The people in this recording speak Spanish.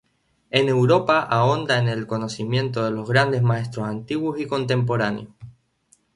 En Europa ahonda en el conocimiento de los grandes maestros antiguos y contemporáneos.